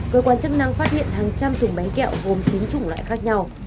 cơ quan chức năng phát hiện hàng trăm thùng bánh kẹo gồm chín chủng loại khác nhau